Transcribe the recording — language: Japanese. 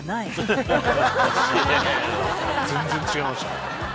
全然違いましたね。